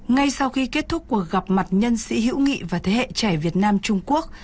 ngay sau khi kết thúc cuộc gặp mặt nhân sĩ hữu nghị và thế hệ trẻ việt nam trung quốc